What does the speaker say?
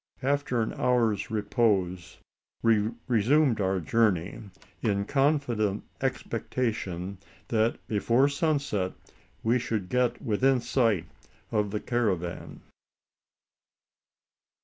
After an hour's repose, we resumed our journey in confident expectation, that before sunset we should get within sight of the caravan.